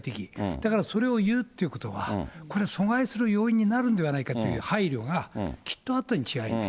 だからそれを言うっていうことは、これは阻害する要因になるんではないかという配慮がきっとあったに違いない。